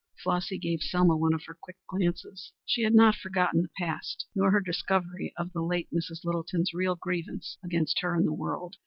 Flossy gave Selma one of her quick glances. She had not forgotten the past, nor her discovery of the late Mrs. Littleton's real grievance against her and the world.